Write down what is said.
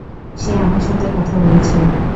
সে আমার সাথে কথা বলেছে।